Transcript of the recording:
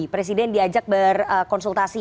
presiden diajak berkonsultasi